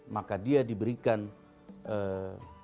maka dia diberikan ee